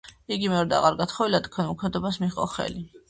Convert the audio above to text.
იგი მეორედ აღარ გათხოვილა და ქველმოქმედებას მიჰყო ხელი.